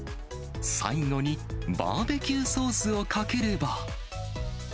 最後にバーベキューソースをかければ。